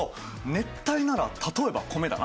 熱帯なら例えば米だな。